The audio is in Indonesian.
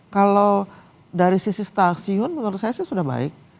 kalau dari sisi stasiun menurut saya sih sudah baik